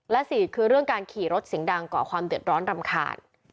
และ๔คือเรื่องการขี่รถเสียงดังก่อความเดือดร้อนรำคาญ